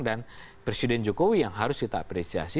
dan presiden jokowi yang harus kita apresiasi